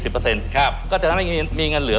๒๐เปอร์เซ็นต์ก็จะทำให้มีเงินเหลือ